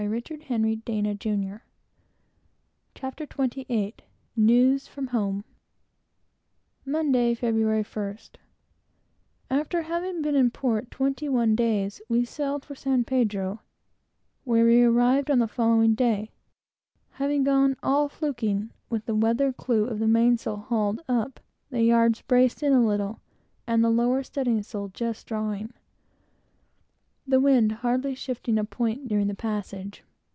CHAPTER XXVIII AN OLD FRIEND A VICTIM CALIFORNIA RANGERS NEWS FROM HOME LAST LOOKS Monday, Feb. 1st. After having been in port twenty one days, we sailed for San Pedro, where we arrived on the following day, having gone "all fluking," with the weather clew of the mainsail hauled up, the yards braced in a little, and the lower studding sails just drawing; the wind hardly shifting a point during the passage.